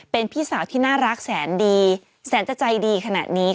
เป็นพี่สาวที่น่ารักแสนดีแสนจะใจดีขนาดนี้